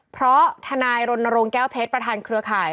เพราะทนายรณรงค์แก้วเพชรประธานเครือข่าย